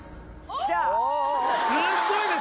来た！